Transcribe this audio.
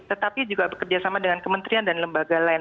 tetapi juga bekerja sama dengan kementerian dan lembaga lain